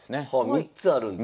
３つあるんですね。